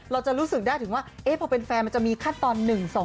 เราจะรู้สึกได้ถึงว่าพอเป็นแฟนมันจะมีขั้นตอน๑๒